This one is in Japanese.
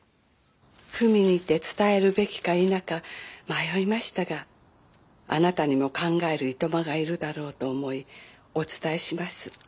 文にて伝えるべきか否か迷いましたがあなたにも考える暇がいるだろうと思いお伝えします」。